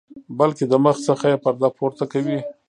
بلکې د مخ څخه یې پرده پورته کوي.